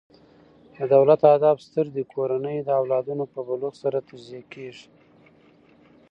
د دولت اهداف ستر دي؛ کورنۍ د او لادونو په بلوغ سره تجزیه کیږي.